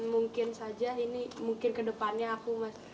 mungkin saja ini mungkin kedepannya aku mas